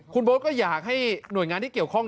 คุณโบ๊ทก็อยากให้หน่วยงานที่เกี่ยวข้อง